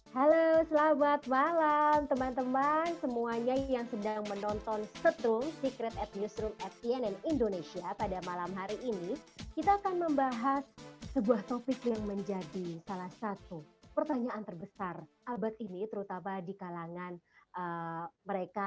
halo selamat malam teman teman semuanya yang sedang menonton setrum secret at newsroom at cnn indonesia pada malam hari ini kita akan membahas sebuah topik yang menjadi salah satu pertanyaan terbesar abad ini terutama di kalangan mereka